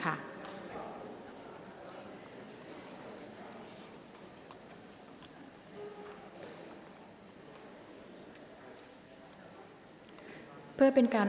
ออกรางวัลเลขหน้า๓ตัวครั้งที่๒